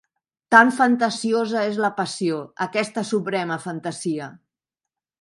Tan fantasiosa és la passió, aquesta suprema fantasia!